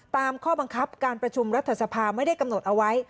ตามข้อบังคับการประชุมรัฐสภาไม่ได้กำหนดเอาไว้